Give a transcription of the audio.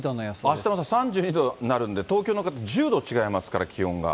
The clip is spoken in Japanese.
あしたは３２度になるんで、東京の方、１０度違いますから、気温が。